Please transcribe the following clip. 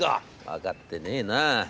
『分かってねえな。